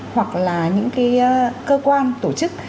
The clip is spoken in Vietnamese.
hoặc là những cơ quan tổ chức